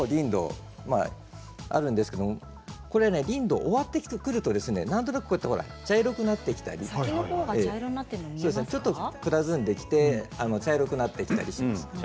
例えば、このリンドウ終わってくるとなんとなく茶色くなってきてちょっと黒ずんできて茶色くなってきたりします。